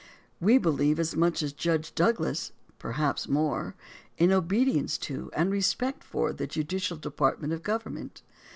We believe as much as Judge Douglas (perhaps more) in obedience to, and respect for, the Judicial department of the government.